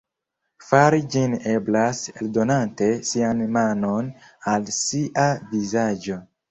Fari ĝin eblas aldonante sian manon al sia vizaĝo.